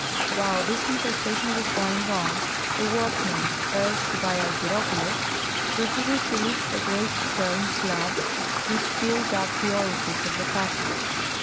While this conversation was going on, the workmen, urged by Argyropoulos, proceeded to lift the great stone slab which filled up the orifice of the passage.